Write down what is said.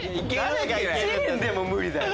知念でも無理だよ。